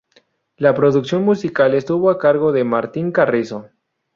La producción musical estuvo a cargo de Martín Carrizo.